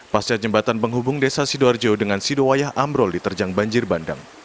pasca jembatan penghubung desa sidoarjo dengan sidowayah ambrol diterjang banjir bandang